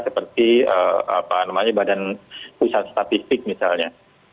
seperti badan pusat statistik misalnya